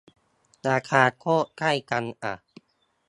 ราคาโคตรใกล้กันอ่ะ